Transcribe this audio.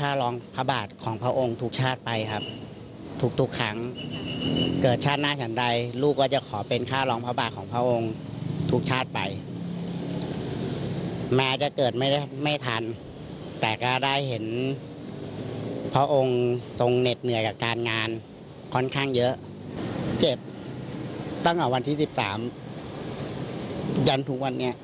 ข้างเยอะเจ็บตั้งแต่วันที่๑๓ยันทุกวันเนี่ย